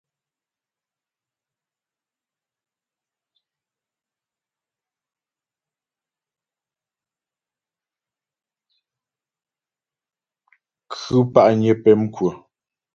Khʉ̂ pa'nyə pɛmkwə.